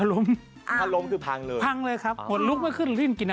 แล้วก็หันกลับมาแล้วก็